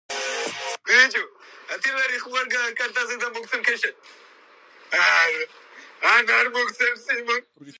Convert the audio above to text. ვრცელდება თერსქეი-ალათაუს ქედის ცენტრალურ ნაწილში.